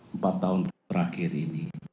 empat tahun terakhir ini